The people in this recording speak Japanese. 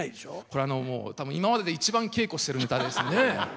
これは多分今までで一番稽古してるネタです。